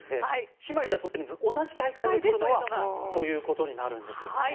姉妹ではとってるんですが同じ大会でとるのはということになるんです。